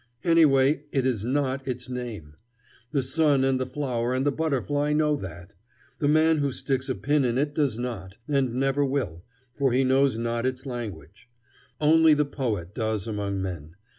Anyway, it is not its name. The sun and the flower and the butterfly know that. The man who sticks a pin in it does not, and never will, for he knows not its language. Only the poet does among men.